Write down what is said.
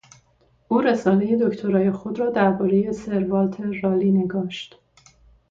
او رسالهی دکترای خود را دربارهی سروالتر رالی نگاشت.